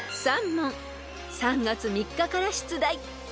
［３月３日から出題］